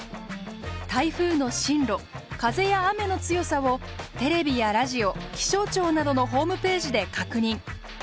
台風の進路風や雨の強さをテレビやラジオ気象庁などのホームページで確認。